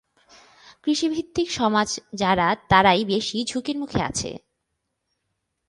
কৃষিভিত্তিক সমাজ যারা তারাই বেশি ঝুঁকির মুখে আছে।